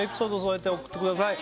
送ってください